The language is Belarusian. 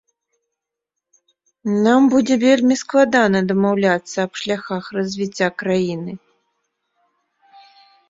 Нам будзе вельмі складана дамаўляцца аб шляхах развіцця краіны.